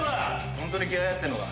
ホントに気合入ってんのか？